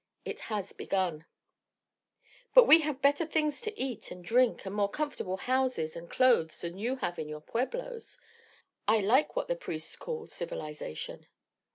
It has begun." "But we have better things to eat and drink and more comfortable houses and clothes than you have in your pueblos. I like what the priests call 'civilisation.'"